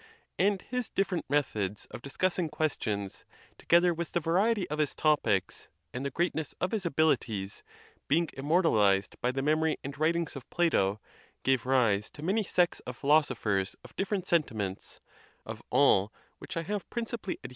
And his different methods of discussing ques tions, together with the variety of his topics, and the great ness of his abilities, being immortalized by the memory and writings of Plato, gave rise to many sects of philosophers of different sentiments, of all which I have principaliy ad WHETHER VIRTUE ALONE BE SUFFICIENT.